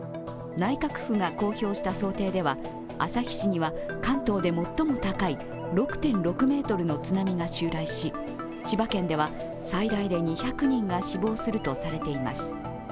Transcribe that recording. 内閣府が公表した想定では、旭市には関東で最も高い６．６ｍの津波が襲来し、千葉県では最大で２００人が死亡するとされています。